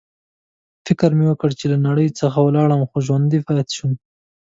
فکر مې وکړ چې له نړۍ څخه ولاړم، خو ژوندی پاتې شوم.